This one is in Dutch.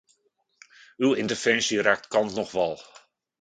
Uw interventie raakt kant noch wal.